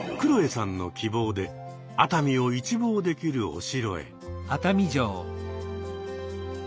さんの希望で熱海を一望できるお城へ。